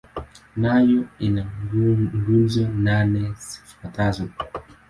Nayo ina nguzo nane zifuatazo.